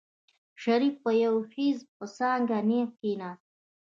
شريف په يو خېز په څانګه نېغ کېناست.